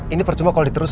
ini percuma kalau diterusin